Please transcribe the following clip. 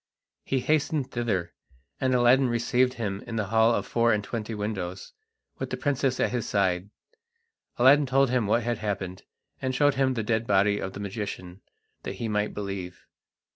He hastened thither, and Aladdin received him in the hall of the four and twenty windows, with the princess at his side. Aladdin told him what had happened, and showed him the dead body of the magician, that he might believe.